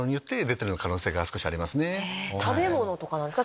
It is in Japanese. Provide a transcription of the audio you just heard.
食べ物とかなんですか？